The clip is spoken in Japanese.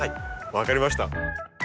分かりました。